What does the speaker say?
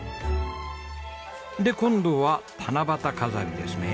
で今度は七夕飾りですねえ。